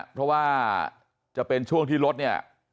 เพราะว่าจะเป็นช่วงที่รถเนี่ย